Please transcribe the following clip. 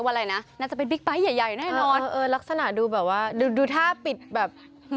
มีทางหน่อยลักษณะดูแบบว่าดูถ้าบิดแบบ